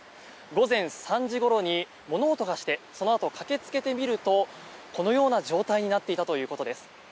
午前３時ごろに物音がしてそのあと駆けつけてみるとこのような状態になっていたということです。